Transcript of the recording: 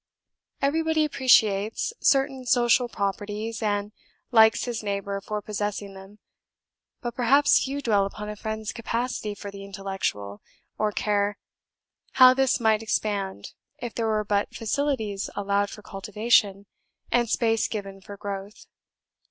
Everybody appreciates certain social properties, and likes his neighbour for possessing them; but perhaps few dwell upon a friend's capacity for the intellectual, or care how this might expand, if there were but facilities allowed for cultivation, and space given for growth.